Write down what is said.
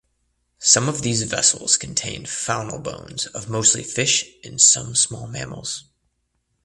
Some of these vessels contained faunal bones of mostly fish and some small mammals.